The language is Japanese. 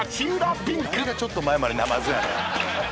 誰がちょっと前までナマズやねん。